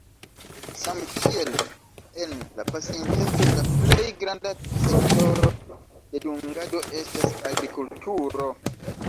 Samkiel en la pasinteco, la plej granda sektoro de dungado estas agrikulturo.